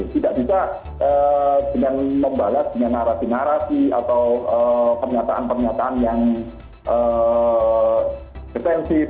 tidak bisa dengan membalas dengan narasi narasi atau pernyataan pernyataan yang defensif